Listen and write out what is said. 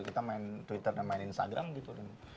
kita main twitter dan main instagram gitu